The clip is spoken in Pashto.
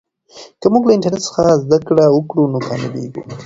که موږ له انټرنیټ څخه زده کړه وکړو نو کامیابېږو.